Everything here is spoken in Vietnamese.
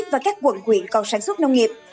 và các quận huyện còn sản xuất nông nghiệp